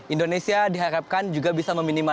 indonesia diharapkan juga bisa meminimalkan